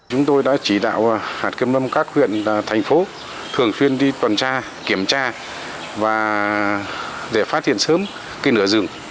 chúng tôi đã chỉ đạo hạt kiểm lâm các huyện thành phố thường xuyên đi tuần tra kiểm tra và để phát hiện sớm nửa rừng